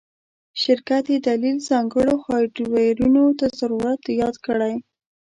شرکت یی دلیل ځانګړو هارډویرونو ته ضرورت یاد کړی